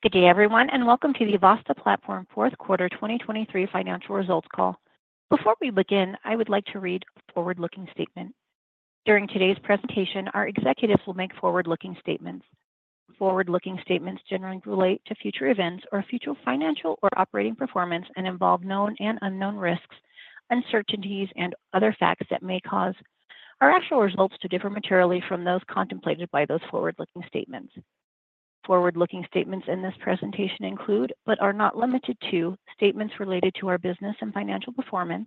Good day, everyone, and welcome to the Vasta Platform Fourth Quarter 2023 Financial Results Call. Before we begin, I would like to read a forward-looking statement. During today's presentation, our executives will make forward-looking statements. Forward-looking statements generally relate to future events or future financial or operating performance and involve known and unknown risks, uncertainties, and other facts that may cause our actual results to differ materially from those contemplated by those forward-looking statements. Forward-looking statements in this presentation include, but are not limited to, statements related to our business and financial performance,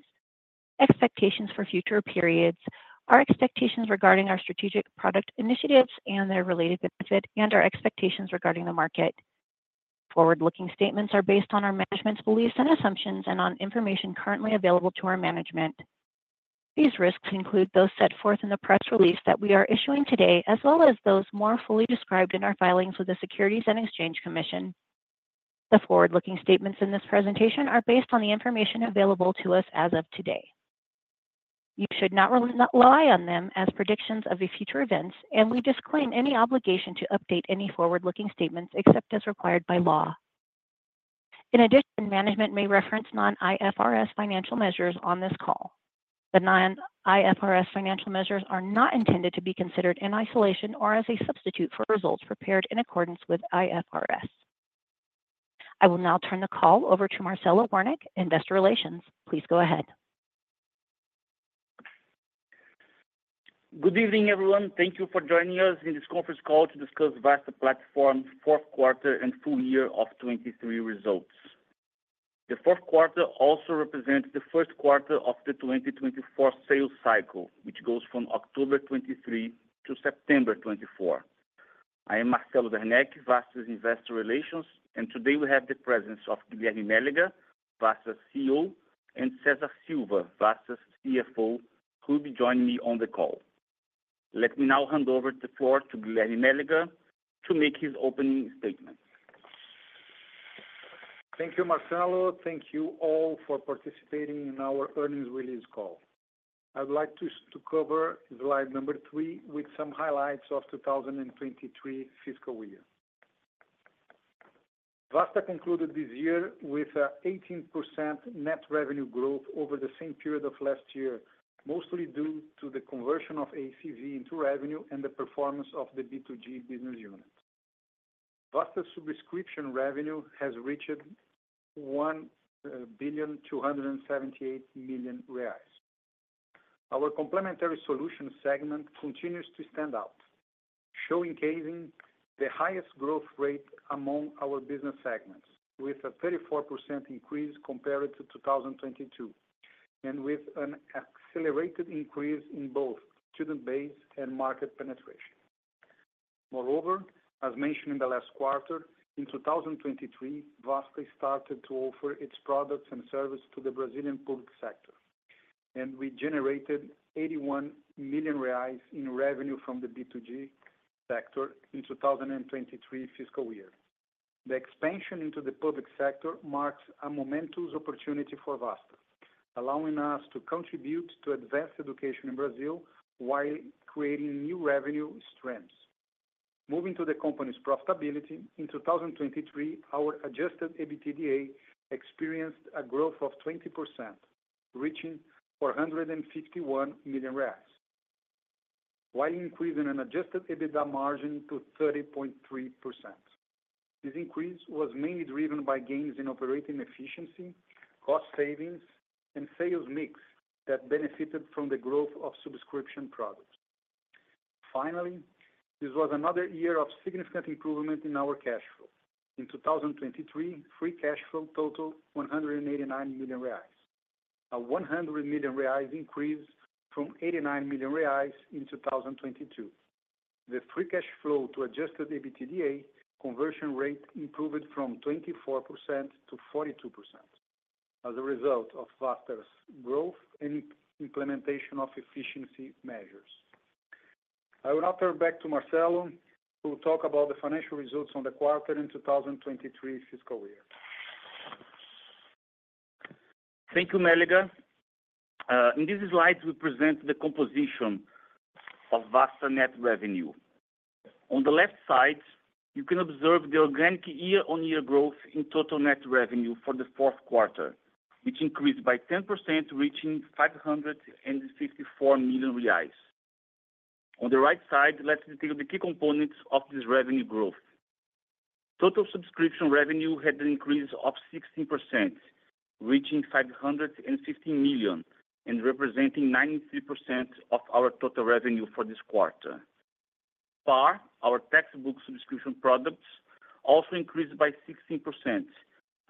expectations for future periods, our expectations regarding our strategic product initiatives and their related benefit, and our expectations regarding the market. Forward-looking statements are based on our management's beliefs and assumptions and on information currently available to our management. These risks include those set forth in the press release that we are issuing today, as well as those more fully described in our filings with the Securities and Exchange Commission. The forward-looking statements in this presentation are based on the information available to us as of today. You should not rely on them as predictions of the future events, and we disclaim any obligation to update any forward-looking statements except as required by law. In addition, management may reference non-IFRS financial measures on this call. The non-IFRS financial measures are not intended to be considered in isolation or as a substitute for results prepared in accordance with IFRS. I will now turn the call over to Marcelo Werneck, Investor Relations. Please go ahead. Good evening, everyone. Thank you for joining us in this conference call to discuss Vasta Platform's fourth quarter and full year of 2023 results. The fourth quarter also represents the first quarter of the 2024 sales cycle, which goes from October 2023 to September 2024. I am Marcelo Werneck, Vasta's Investor Relations, and today we have the presence of Guilherme Mélega, Vasta's CEO, and Cesar Silva, Vasta's CFO, who will be joining me on the call. Let me now hand over the floor to Guilherme Mélega to make his opening statement. Thank you, Marcelo. Thank you all for participating in our earnings release call. I would like to cover slide number three with some highlights of 2023 fiscal year. Vasta concluded this year with 18% net revenue growth over the same period of last year, mostly due to the conversion of ACV into revenue and the performance of the B2G business unit. Vasta's subscription revenue has reached BRL 1.278 billion. Our complementary solution segment continues to stand out, showcasing the highest growth rate among our business segments, with a 34% increase compared to 2022, and with an accelerated increase in both student base and market penetration. Moreover, as mentioned in the last quarter, in 2023, Vasta started to offer its products and services to the Brazilian public sector, and we generated 81 million reais in revenue from the B2G sector in 2023 fiscal year. The expansion into the public sector marks a momentous opportunity for Vasta, allowing us to contribute to advance education in Brazil while creating new revenue streams. Moving to the company's profitability, in 2023, our adjusted EBITDA experienced a growth of 20%, reaching 451 million reais, while increasing an adjusted EBITDA margin to 30.3%. This increase was mainly driven by gains in operating efficiency, cost savings, and sales mix that benefited from the growth of subscription products. Finally, this was another year of significant improvement in our cash flow. In 2023, free cash flow totaled 189 million reais, a 100 million reais increase from 89 million reais in 2022. The free cash flow to Adjusted EBITDA conversion rate improved from 24% to 42% as a result of Vasta's growth and implementation of efficiency measures. I will now turn back to Marcelo, who will talk about the financial results on the quarter in 2023 fiscal year. Thank you, Mélega. In this slide, we present the composition of Vasta net revenue. On the left side, you can observe the organic year-on-year growth in total net revenue for the fourth quarter, which increased by 10%, reaching 554 million reais. On the right side, let's detail the key components of this revenue growth. Total subscription revenue had an increase of 16%, reaching 550 million, and representing 93% of our total revenue for this quarter. PAR, our textbook subscription products, also increased by 16%,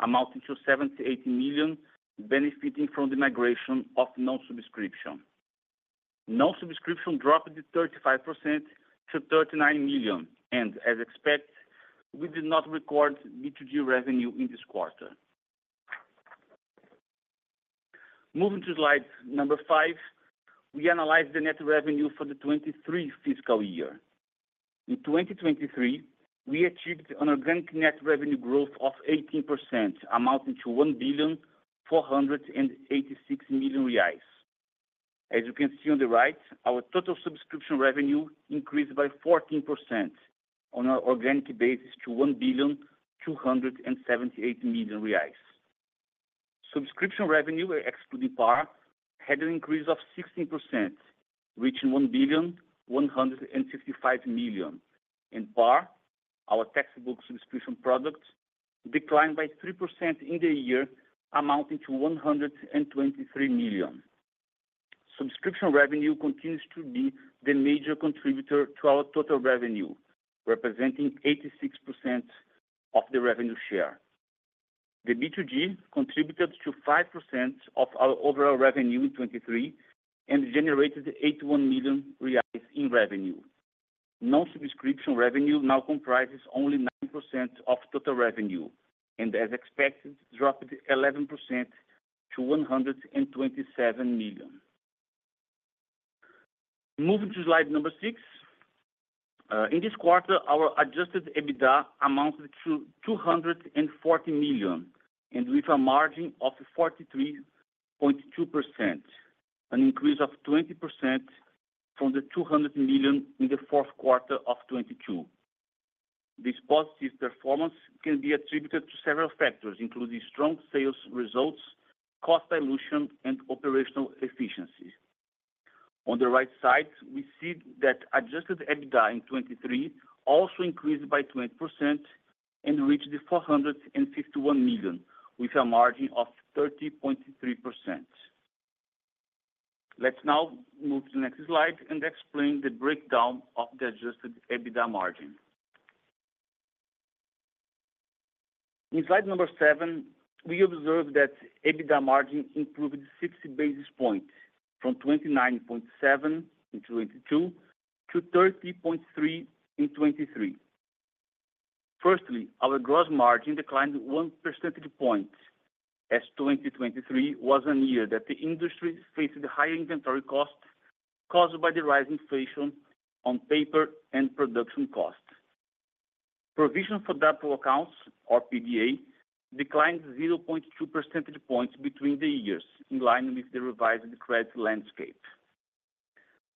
amounting to 78 million, benefiting from the migration of non-subscription. Non-subscription dropped to 35% to 39 million, and as expected, we did not record B2G revenue in this quarter. Moving to slide number five, we analyze the net revenue for the 2023 fiscal year. In 2023, we achieved an organic net revenue growth of 18%, amounting to 1,486 million reais. As you can see on the right, our total subscription revenue increased by 14% on an organic basis to 1.278 billion. Subscription revenue, excluding PAR, had an increase of 16%, reaching 1.155 billion. In PAR, our textbook subscription products declined by 3% in the year, amounting to 123 million. Subscription revenue continues to be the major contributor to our total revenue, representing 86% of the revenue share. The B2G contributed to 5% of our overall revenue in 2023, and generated 81 million reais in revenue. Non-subscription revenue now comprises only 9% of total revenue, and as expected, dropped 11% to 127 million. Moving to slide number six. In this quarter, our adjusted EBITDA amounted to 240 million, and with a margin of 43.2%, an increase of 20% from the 200 million in the fourth quarter of 2022. This positive performance can be attributed to several factors, including strong sales results, cost dilution, and operational efficiency. On the right side, we see that adjusted EBITDA in 2023 also increased by 20% and reached 451 million, with a margin of 30.3%. Let's now move to the next slide and explain the breakdown of the adjusted EBITDA margin. In slide number seven, we observe that EBITDA margin improved 60 basis points, from 29.7% in 2022 to 30.3% in 2023. Firstly, our gross margin declined 1 percentage point, as 2023 was a year that the industry faced higher inventory costs caused by the rising inflation on paper and production costs. Provision for doubtful accounts, or PDA, declined 0.2 percentage points between the years, in line with the revised credit landscape.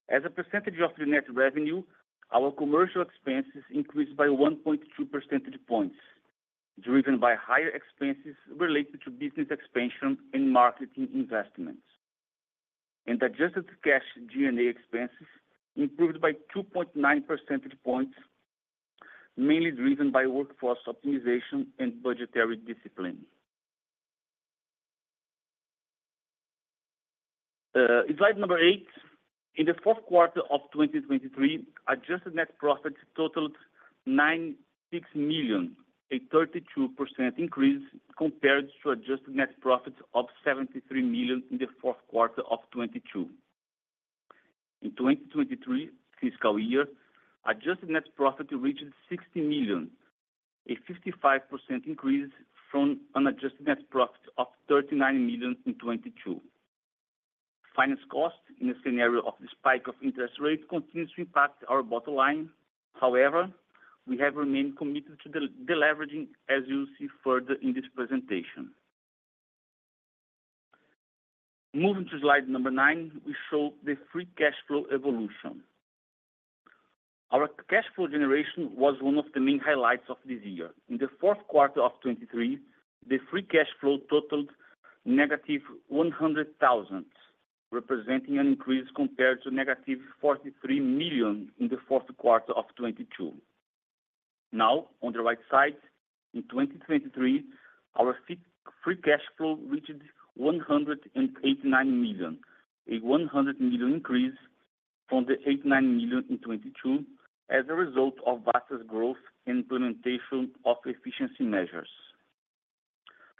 As a percentage of the net revenue, our commercial expenses increased by 1.2 percentage points, driven by higher expenses related to business expansion and marketing investments. Adjusted cash G&A expenses improved by 2.9 percentage points, mainly driven by workforce optimization and budgetary discipline. In slide number eight, in the fourth quarter of 2023, adjusted net profits totaled 96 million, a 32% increase compared to adjusted net profits of 73 million in the fourth quarter of 2022. In 2023 fiscal year, adjusted net profit reached 60 million, a 55% increase from unadjusted net profit of 39 million in 2022. Finance costs in a scenario of the spike of interest rates continues to impact our bottom line. However, we have remained committed to the de-leveraging, as you'll see further in this presentation. Moving to slide number nine, we show the Free Cash Flow evolution. Our cash flow generation was one of the main highlights of this year. In the fourth quarter of 2023, the Free Cash Flow totaled -100,000, representing an increase compared to -43 million in the fourth quarter of 2022. Now, on the right side, in 2023, our free cash flow reached 189 million, a 100 million increase from the 89 million in 2022, as a result of Vasta growth and implementation of efficiency measures.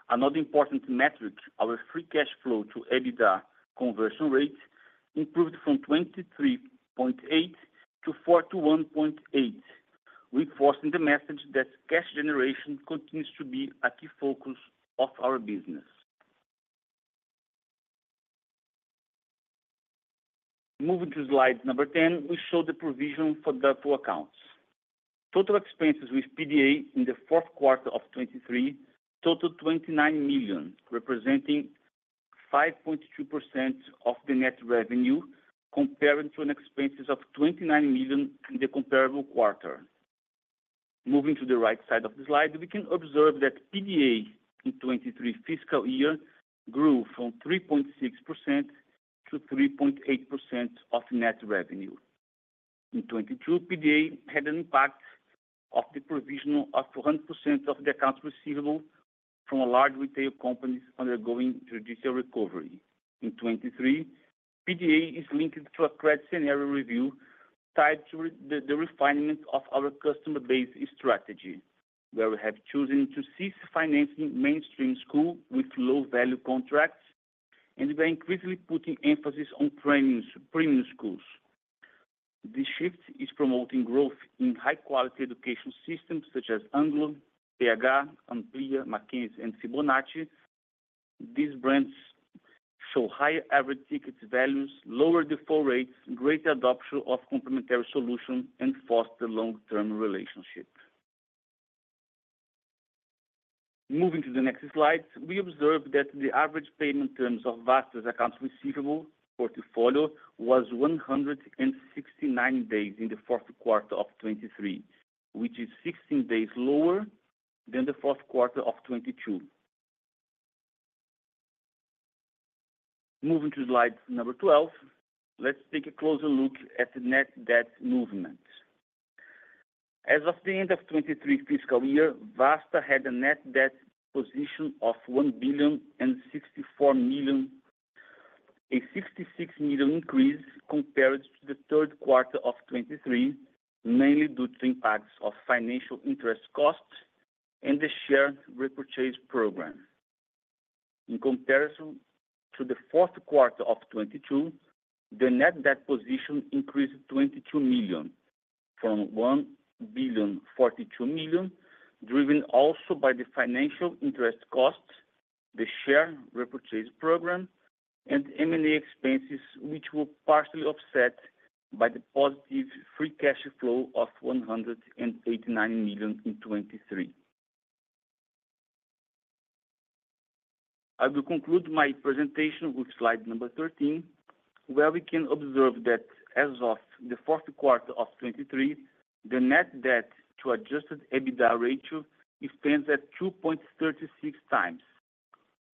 Another important metric, our free cash flow to EBITDA conversion rate improved from 23.8% to 41.8%, reinforcing the message that cash generation continues to be a key focus of our business. Moving to slide 10, we show the provision for doubtful accounts. Total expenses with PDA in the fourth quarter of 2023 totaled 29 million, representing 5.2% of the net revenue, comparing to an expenses of 29 million in the comparable quarter. Moving to the right side of the slide, we can observe that PDA in 2023 fiscal year grew from 3.6% to 3.8% of net revenue. In 2022, PDA had an impact of the provision of 100% of the accounts receivable from a large retail companies undergoing judicial recovery. In 2023, PDA is linked to a credit scenario review tied to the refinement of our customer base strategy, where we have chosen to cease financing mainstream school with low-value contracts, and we're increasingly putting emphasis on premium, premium schools. This shift is promoting growth in high-quality education systems such as Anglo, pH, Amplia, Mackenzie and Fibonacci. These brands show higher average ticket values, lower default rates, greater adoption of complementary solutions, and foster long-term relationship. Moving to the next slide, we observe that the average payment terms of Vasta's accounts receivable portfolio was 169 days in the fourth quarter of 2023, which is 16 days lower than the fourth quarter of 2022. Moving to slide 12, let's take a closer look at the net debt movement. As of the end of 2023 fiscal year, Vasta had a net debt position of 1.064 billion, a 66 million increase compared to the third quarter of 2023, mainly due to impacts of financial interest costs and the share repurchase program. In comparison to the fourth quarter of 2022, the net debt position increased 22 million, from 1.042 billion, driven also by the financial interest costs, the share repurchase program, and M&A expenses, which were partially offset by the positive free cash flow of 189 million in 2023. I will conclude my presentation with slide number 13, where we can observe that as of the fourth quarter of 2023, the net debt to Adjusted EBITDA ratio stands at 2.36x,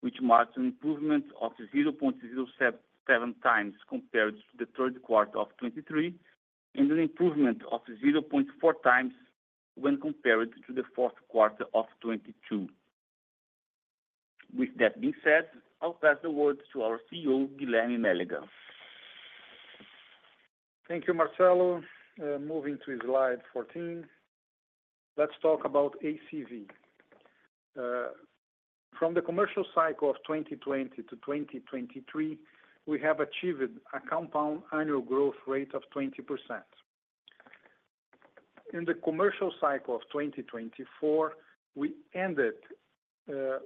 which marks an improvement of 0.077x compared to the third quarter of 2023, and an improvement of 0.4x when compared to the fourth quarter of 2022. With that being said, I'll pass the word to our CEO, Guilherme Mélega. Thank you, Marcelo. Moving to slide 14, let's talk about ACV. From the commercial cycle of 2020 to 2023, we have achieved a compound annual growth rate of 20%. In the commercial cycle of 2024, we ended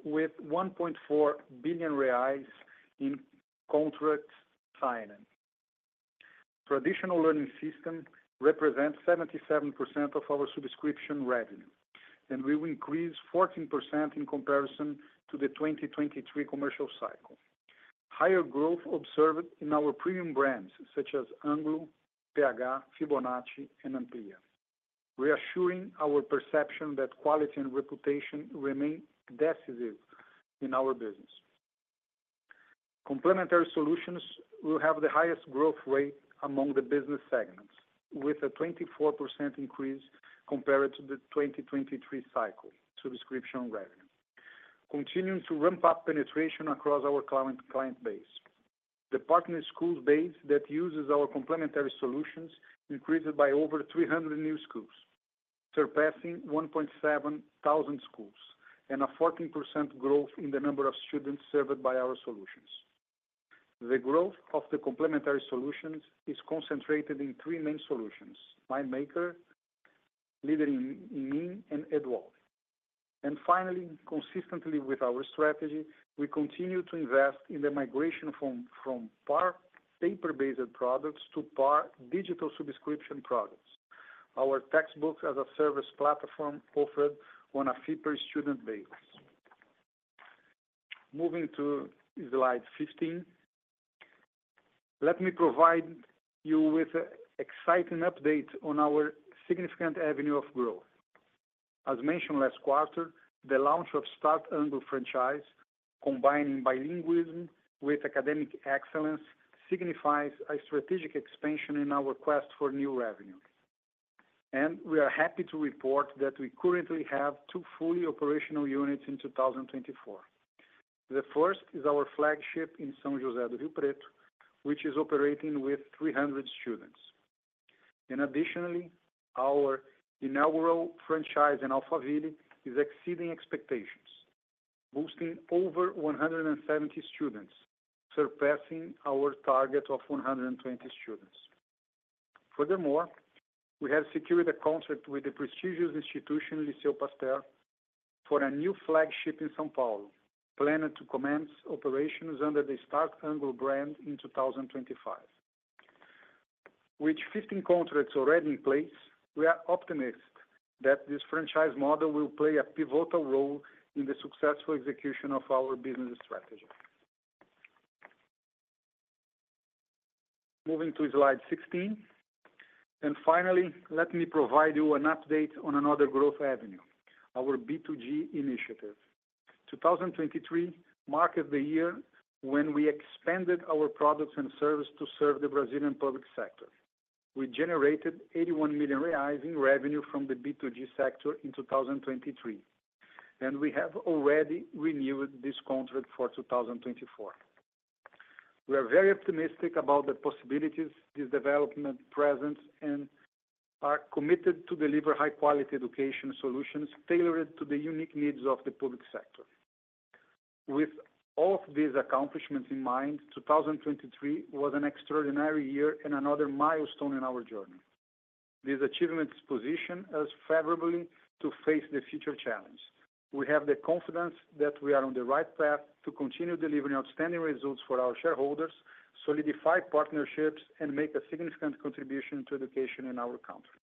with 1.4 billion reais in contract signing. Traditional learning system represents 77% of our subscription revenue, and we will increase 14% in comparison to the 2023 commercial cycle. Higher growth observed in our premium brands, such as Anglo, pH, Fibonacci, and Amplia, reassuring our perception that quality and reputation remain decisive in our business. Complementary solutions will have the highest growth rate among the business segments, with a 24% increase compared to the 2023 cycle subscription revenue, continuing to ramp up penetration across our client, client base. The partner schools base that uses our complementary solutions increased by over 300 new schools, surpassing 1,700 schools, and a 14% growth in the number of students served by our solutions. The growth of the complementary solutions is concentrated in three main solutions: MindMakers, Leader in Me, and Eduall. Finally, consistently with our strategy, we continue to invest in the migration from PAR paper-based products to PAR digital subscription products. Our textbooks as a service platform offered on a fee-per-student basis. Moving to slide 15, let me provide you with an exciting update on our significant avenue of growth. As mentioned last quarter, the launch of Start Anglo Franchise, combining bilingualism with academic excellence, signifies a strategic expansion in our quest for new revenue. We are happy to report that we currently have two fully operational units in 2024. The first is our flagship in São José do Rio Preto, which is operating with 300 students. Additionally, our inaugural franchise in Alphaville is exceeding expectations, boasting over 170 students, surpassing our target of 120 students. Furthermore, we have secured a contract with the prestigious institution, Lycée Pasteur, for a new flagship in São Paulo, planning to commence operations under the Start Anglo brand in 2025. With 15 contracts already in place, we are optimistic that this franchise model will play a pivotal role in the successful execution of our business strategy. Moving to slide 16, and finally, let me provide you an update on another growth avenue, our B2G initiative. 2023 marked the year when we expanded our products and service to serve the Brazilian public sector. We generated 81 million reais in revenue from the B2G sector in 2023, and we have already renewed this contract for 2024. We are very optimistic about the possibilities, this development presence, and are committed to deliver high-quality education solutions tailored to the unique needs of the public sector. With all of these accomplishments in mind, 2023 was an extraordinary year and another milestone in our journey. These achievements position us favorably to face the future challenge. We have the confidence that we are on the right path to continue delivering outstanding results for our shareholders, solidify partnerships, and make a significant contribution to education in our country.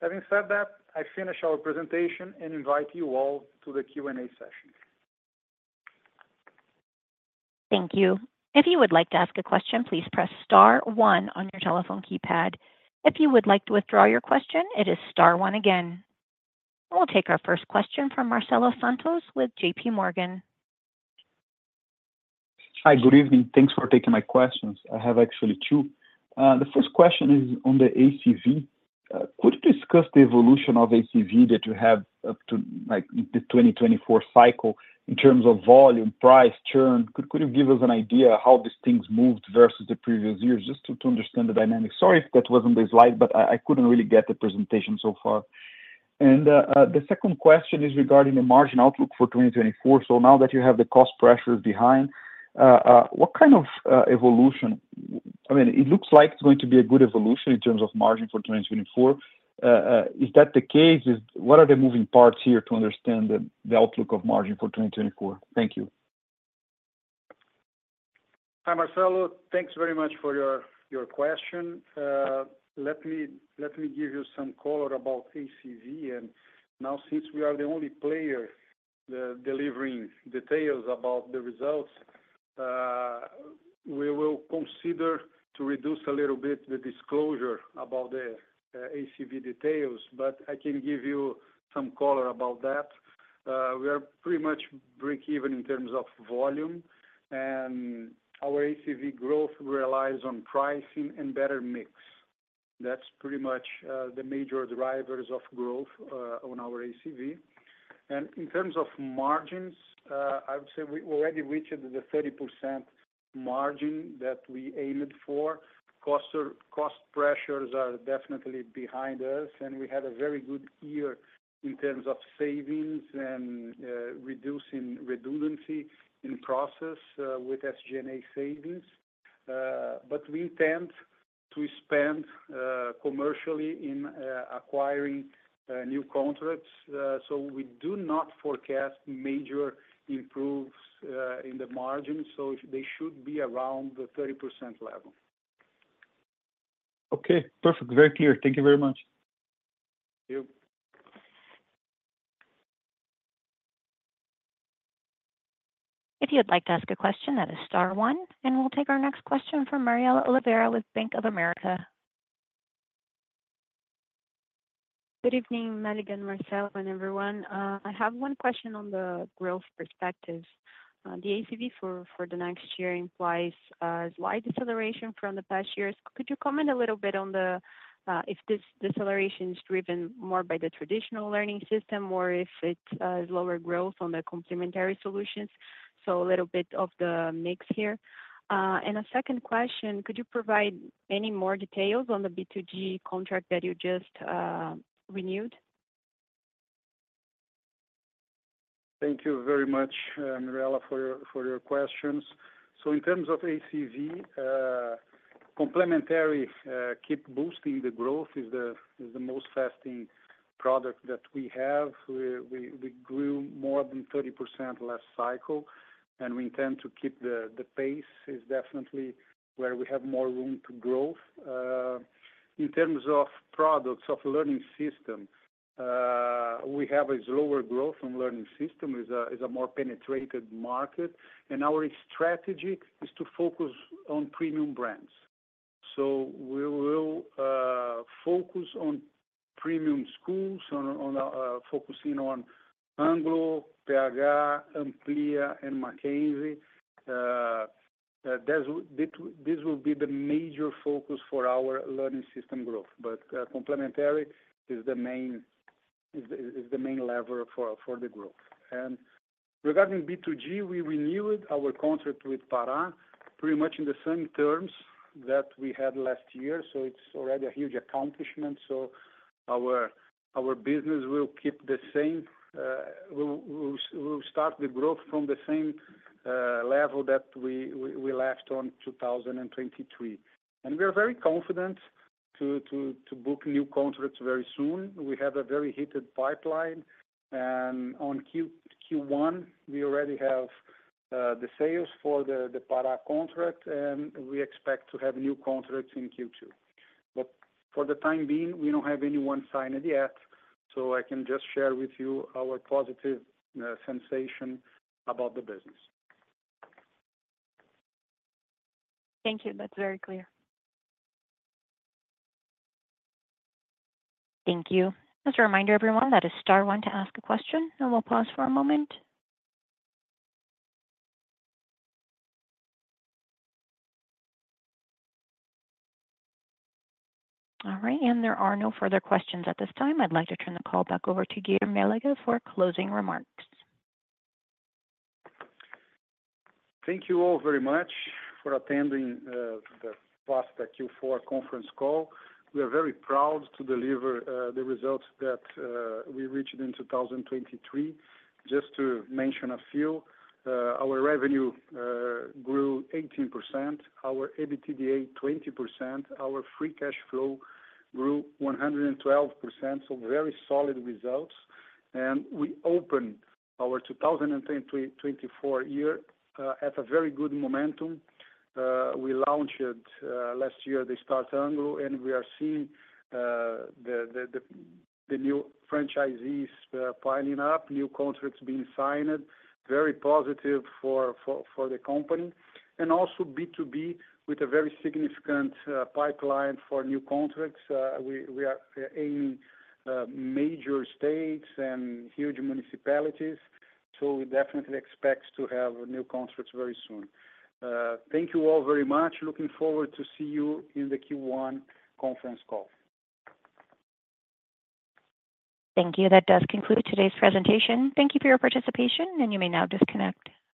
Having said that, I finish our presentation and invite you all to the Q&A session. Thank you. If you would like to ask a question, please press star one on your telephone keypad. If you would like to withdraw your question, it is star one again. We'll take our first question from Marcelo Santos with JPMorgan. Hi. Good evening. Thanks for taking my questions. I have actually two. The first question is on the ACV. Could you discuss the evolution of ACV that you have up to, like, the 2024 cycle in terms of volume, price, churn? Could you give us an idea how these things moved versus the previous years, just to understand the dynamic? Sorry if that wasn't the slide, but I couldn't really get the presentation so far. The second question is regarding the margin outlook for 2024. So now that you have the cost pressures behind, what kind of evolution, I mean, it looks like it's going to be a good evolution in terms of margin for 2024. Is that the case? What are the moving parts here to understand the outlook of margin for 2024? Thank you. Hi, Marcelo. Thanks very much for your question. Let me give you some color about ACV. And now, since we are the only player delivering details about the results, we will consider to reduce a little bit the disclosure about the ACV details, but I can give you some color about that. We are pretty much breakeven in terms of volume, and our ACV growth relies on pricing and better mix. That's pretty much the major drivers of growth on our ACV. And in terms of margins, I would say we already reached the 30% margin that we aimed for. Cost pressures are definitely behind us, and we had a very good year in terms of savings and reducing redundancy in process with SG&A savings. But we tend to spend commercially in acquiring new contracts, so we do not forecast major improvements in the margin, so they should be around the 30% level. Okay, perfect. Very clear. Thank you very much. Thank you. If you'd like to ask a question, that is star one, and we'll take our next question from Mirela Oliveira with Bank of America. Good evening, Mélega, Marcelo, and everyone. I have one question on the growth perspectives. The ACV for the next year implies a slight deceleration from the past years. Could you comment a little bit on the if this deceleration is driven more by the traditional learning system or if it's lower growth on the complementary solutions? So a little bit of the mix here. And a second question, could you provide any more details on the B2G contract that you just renewed? Thank you very much, Mirela, for your questions. So in terms of ACV, complementary keep boosting the growth is the most fastest product that we have. We grew more than 30% last cycle, and we intend to keep the pace. Is definitely where we have more room to growth. In terms of products of learning system, we have a lower growth on learning system, is a more penetrated market, and our strategy is to focus on premium brands. So we will focus on premium schools, focusing on Anglo, pH, Amplia, and Mackenzie. That would, this will be the major focus for our learning system growth, but complementary is the main lever for the growth. Regarding B2G, we renewed our contract with Pará, pretty much in the same terms that we had last year, so it's already a huge accomplishment. So our business will keep the same. We'll start the growth from the same level that we left on 2023. And we are very confident to book new contracts very soon. We have a very heated pipeline, and in Q1, we already have the sales for the Pará contract, and we expect to have new contracts in Q2. But for the time being, we don't have anyone signed yet, so I can just share with you our positive sensation about the business. Thank you. That's very clear. Thank you. Just a reminder, everyone, that is star one to ask a question, and we'll pause for a moment. All right, and there are no further questions at this time. I'd like to turn the call back over to Guilherme Mélega for closing remarks. Thank you all very much for attending the Vasta Q4 conference call. We are very proud to deliver the results that we reached in 2023. Just to mention a few, our revenue grew 18%, our EBITDA 20%, our free cash flow grew 112%. So very solid results. And we opened our 2024 year at a very good momentum. We launched last year the Start Anglo, and we are seeing the new franchisees signing up, new contracts being signed. Very positive for the company. And also B2G with a very significant pipeline for new contracts. We are aiming major states and huge municipalities, so we definitely expect to have new contracts very soon. Thank you all very much. Looking forward to see you in the Q1 conference call. Thank you. That does conclude today's presentation. Thank you for your participation, and you may now disconnect.